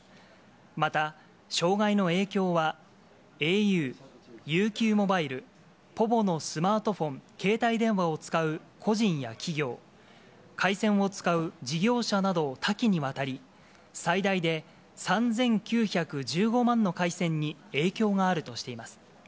また、障害の影響は、ａｕ、ＵＱモバイル、ｐｏｖｏのスマートフォン、携帯電話を使う個人や企業、回線を使う事業者など、多岐にわたり、最大で３９１５万の回線に影響があるとしています。